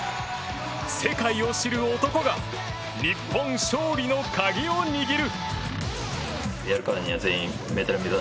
世界を知る男が日本勝利の鍵を握る。